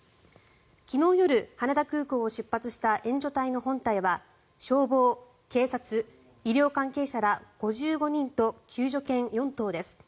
昨日夜、羽田空港を出発した援助隊の本隊は消防、警察、医療関係者ら５５人と救助犬４頭です。